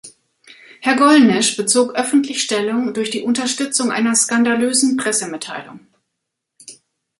Herr Gollnisch bezog öffentlich Stellung durch die Unterstützung einer skandalösen Pressemitteilung.